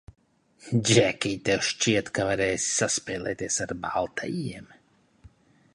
Džekij, tev šķiet, ka varēsi saspēlēties ar baltajiem?